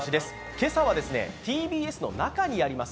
今朝はＴＢＳの中にあります